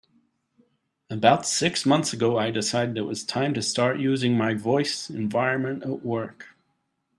About six months ago, I decided it was time to start using my voice environment at work.